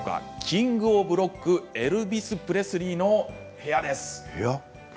キングオブロックエルヴィス・プレスリーの部屋です。